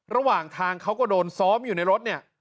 ระหว่างทางเขาก็โดนซ้อมอยู่ในรถเนี่ย